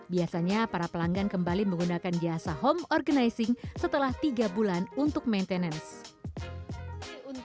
biasanya para pelanggan kembali menggunakan jasa home organizing setelah tiga bulan untuk maintenance